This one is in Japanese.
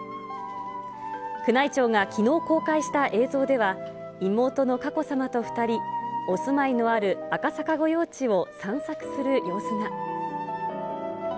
宮内庁がきのう公開した映像では、妹の佳子さまと２人、お住まいのある赤坂御用地を散策する様子が。